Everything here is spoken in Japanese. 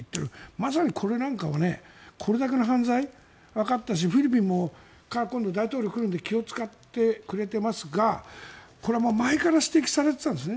まさにこれなんかはこれだけの犯罪がわかったしフィリピンも、今度大統領が来るので気を使ってくれていますがこれは前から指摘されていたんですね。